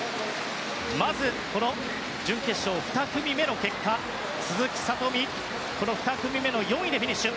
まず準決勝２組目の結果鈴木聡美、この２組目の４位でフィニッシュ。